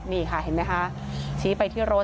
นี่ค่ะเห็นไหมคะชี้ไปที่รถ